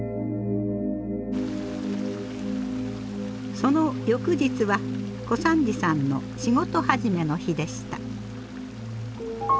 その翌日は小三治さんの仕事始めの日でした。